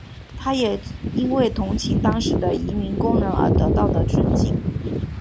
他也因为同情当时的移民工人而得到的尊敬。